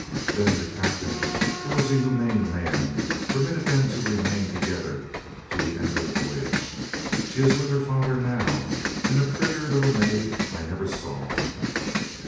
Then the captain, who was a humane man, permitted them to remain together to the end of the voyage. She is with her father now, and a prettier little maid I never saw."